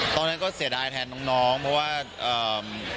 ตอนนั้นก็เสียดายแทนน้องเพราะว่า